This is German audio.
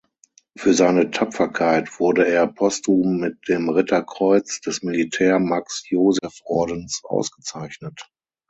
Für seine Tapferkeit wurde er postum mit dem Ritterkreuz des Militär-Max-Joseph-Ordens ausgezeichnet.